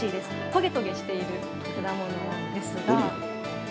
トゲトゲしている果物です。